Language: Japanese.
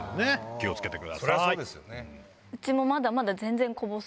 気を付けてください。